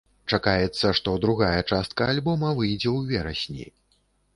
Чакаецца, што другая частка альбома выйдзе ў верасні.